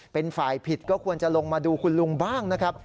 เป็นฝ่ายผิดก็ควรจะลงมาดูคุณลุงบ้างนะครับ